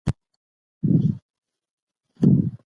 دلارام د نیمروز ولایت یوه ډېره ستراتیژیکه ولسوالي ده